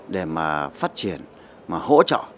để mà phát triển mà hỗ trợ